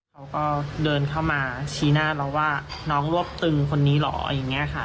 เขาก็เดินเข้ามาชี้หน้าเราว่าน้องรวบตึงคนนี้เหรออย่างนี้ค่ะ